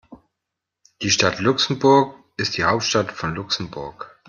Die Stadt Luxemburg ist die Hauptstadt von Luxemburg.